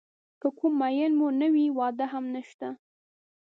که کوم مېن مو نه وي واده هم نشته.